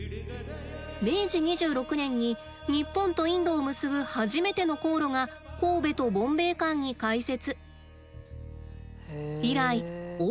明治２６年に日本とインドを結ぶ初めての航路が神戸とボンベイ間に開設。